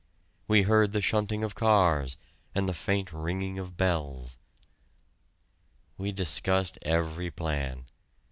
We heard the shunting of cars and the faint ringing of bells. We discussed every plan.